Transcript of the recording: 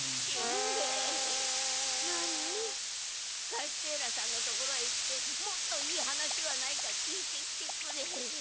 カステーラさんの所へ行ってもっといい話はないか聞いてきてくれ。